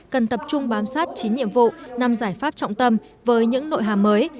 cần tập trung bám sát chín nhiệm vụ năm giải pháp trọng tâm với những nội hàm mới